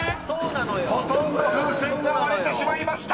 ［ほとんど風船が割れてしまいました］